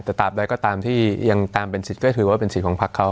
แต่ตามใดก็ตามที่ยังตามเป็นสิทธิ์ก็คือว่าเป็นสิทธิ์ของพักเขา